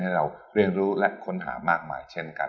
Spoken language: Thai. ให้เราเรียนรู้และค้นหามากมายเช่นกัน